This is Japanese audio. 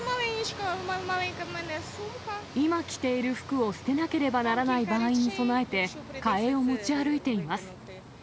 今着ている服を捨てなければならない場合に備えて、替えを持ち歩いています。